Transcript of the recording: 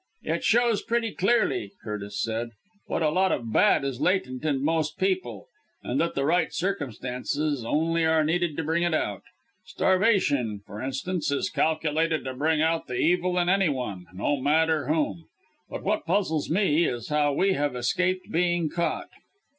"It shows pretty clearly," Curtis said, "what a lot of bad is latent in most people; and that the right circumstances only are needed to bring it out. Starvation, for instance, is calculated to bring out the evil in any one no matter whom. But what puzzles me, is how we have escaped being caught!"